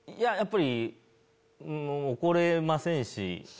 やっぱり怒れませんし。